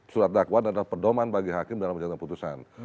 surat dakwaan adalah perdomaan bagi hakim dalam mencantumkan keputusan